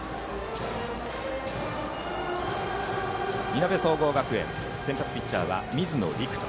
いなべ総合学園先発ピッチャーは水野陸翔。